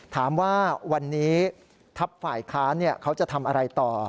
ถามว่าวันนี้ทัพฝ่ายค้านเขาจะทำอะไรต่อ